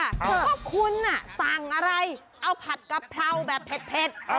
ก็คุณสั่งอะไรเอาผัดกะเพราแบบเผ็ด